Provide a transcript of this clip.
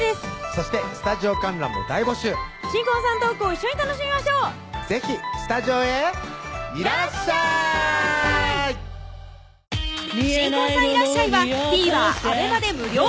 そしてスタジオ観覧も大募集新婚さんのトークを一緒に楽しみましょう是非スタジオへいらっしゃい新婚さんいらっしゃい！はＴＶｅｒ